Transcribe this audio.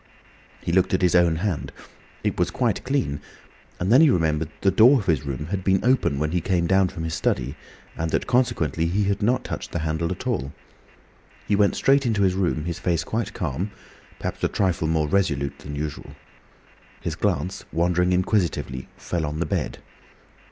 He looked at his own hand. It was quite clean, and then he remembered that the door of his room had been open when he came down from his study, and that consequently he had not touched the handle at all. He went straight into his room, his face quite calm—perhaps a trifle more resolute than usual. His glance, wandering inquisitively, fell on the bed.